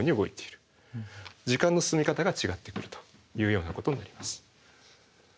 時間の進み方が違ってくるというようなことになります。